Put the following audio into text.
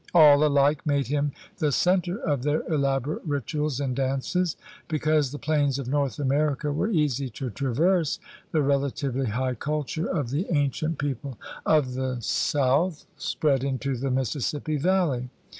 All alike made him the center of their elaborate rituals and dances. Be cause the plains of North America were easy to traverse, the relatively high culture of the ancient people of the South spread into the Mississippi Valley.